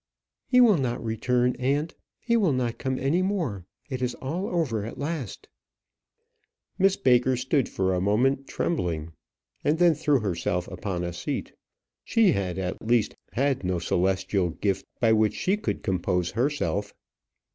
"He will not return, aunt. He will not come any more; it is all over at last." Miss Baker stood for a moment trembling, and then threw herself upon a seat. She had at least had no celestial gift by which she could compose herself.